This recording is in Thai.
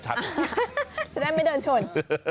จะได้ไม่เดินชน